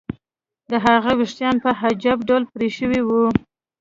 د هغه ویښتان په عجیب ډول پرې شوي وو